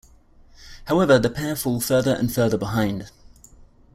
However, the pair fall further and further behind.